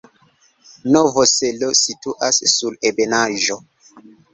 Novo Selo situas sur ebenaĵo.